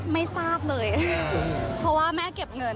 ไม่ทราบเลยเพราะว่าแม่เก็บเงิน